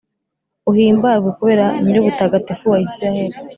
uhimbarwe kubera Nyirubutagatifu wa Israheli.